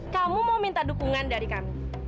kamu mau minta dukungan dari kami